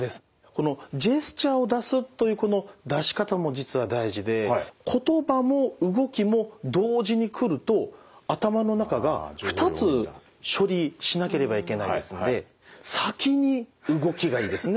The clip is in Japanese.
このジェスチャーを出すというこの出し方も実は大事で言葉も動きも同時に来ると頭の中が２つ処理しなければいけないですので先に動きがいいですね。